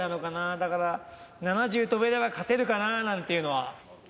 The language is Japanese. だから、７０跳べれば勝てるかなーなんていうのは。